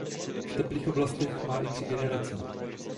V teplých oblastech má i tři generace.